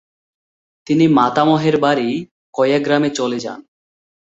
তিনি মাতামহের বাড়ি কয়াগ্রামে চলে যান।